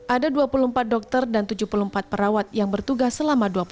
ada dua puluh empat dokter dan tujuh puluh empat perawat yang bertugas selama dua puluh